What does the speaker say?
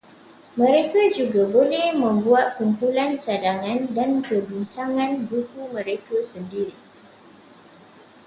Mereka juga boleh membuat kumpulan cadangan dan perbincangan buku mereka sendiri